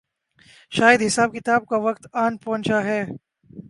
شاید حساب کتاب کا وقت آن پہنچا ہے۔